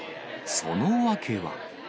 その訳は。